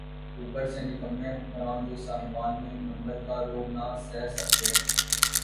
اوپر سے نکمّے حکمران‘ جو صاحبان منبر کا رعب نہ سہہ سکتے۔